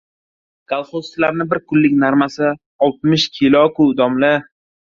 — Kolxozchilarni bir kunlik normasi oltmish kilo-ku, domla?